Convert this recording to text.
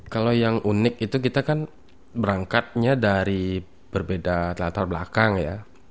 kalau yang unik itu kita kan berangkatnya dari berbeda latar belakang ya